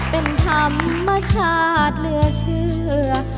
เป็นธรรมชาติเหลือเชื่อ